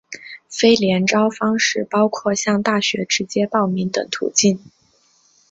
非联招方式包括向大学直接报名等途径。